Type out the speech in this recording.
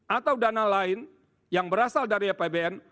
atau dana lain yang berasal dari apbn